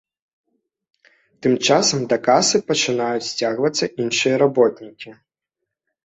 Тым часам да касы пачынаюць сцягвацца іншыя работнікі.